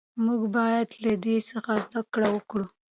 موږ باید له ده څخه زده کړه وکړو.